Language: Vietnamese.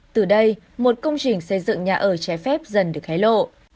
từ đây một công trình xây dựng nhà ở trái phép dần được hái lộ